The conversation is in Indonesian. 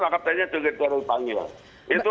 kaptennya juga di panggil